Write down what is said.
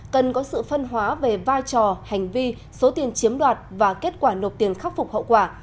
cần có sự phân hóa về vai trò hành vi số tiền chiếm đoạt và kết quả nộp tiền khắc phục hậu quả